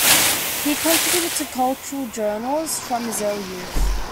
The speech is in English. He contributed to cultural journals from his early youth.